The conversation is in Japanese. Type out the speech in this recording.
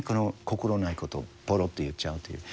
心ないことをぽろっと言っちゃうという。